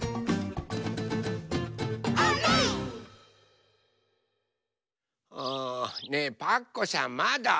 あねえパクこさんまだ？